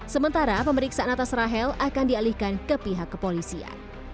sementara pemeriksaan atas rahel akan dialihkan ke pihak kepolisian